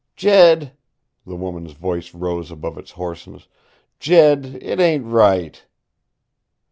"Jed " The woman's voice rose above its hoarseness. "Jed it ain't right!"